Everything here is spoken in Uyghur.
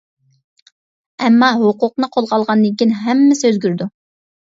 ئەمما ھوقۇقنى قولغا ئالغاندىن كېيىن ھەممىسى ئۆزگىرىدۇ.